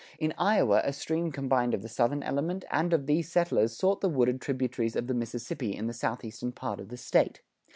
In Iowa a stream combined of the Southern element and of these settlers sought the wooded tributaries of the Mississippi in the southeastern part of the State.